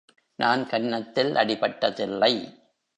நான் கன்னத்தில் அடிபட்டதில்லை.